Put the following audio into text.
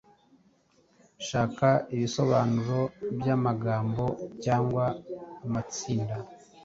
Shaka ibisobanuro by’amagambo cyangwa amatsinda